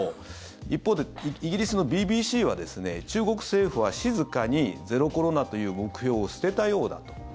一方でイギリスのＢＢＣは中国政府は静かにゼロコロナという目標を捨てたようだと。